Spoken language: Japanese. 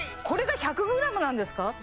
これが１００ｇなんですか？